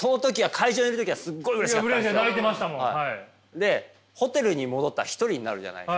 でホテルに戻ったら一人になるじゃないですか。